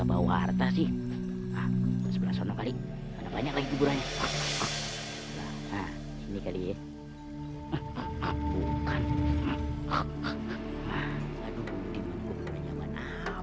ada wartah sih sebelah sana kali banyak lagi kegurannya ini kali ya bukan